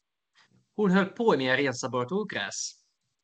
Hon höll på med att rensa bort ogräs.